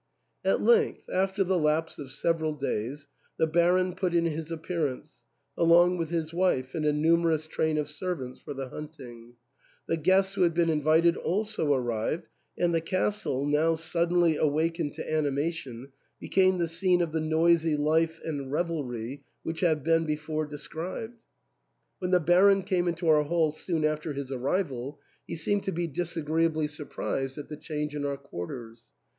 At length, after the lapse of several days, the Baron put in his appearance, along with his wife and a numerous train of servants for the hunting ; the guests who had been invited also arrived, and the castle, now suddenly awakened to animation, became the scene of the noisy life and revelry which have been before de scribed When the Baron came into our hall soon after his arrival, he seemed to be disagreeably surprised at THE ENTAIL. 235 •_ the change in our quarters.